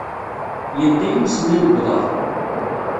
Yenta-iyi usennan deg uḍad.